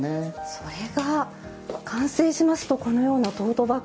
それが完成しますとこのようなトートバッグになって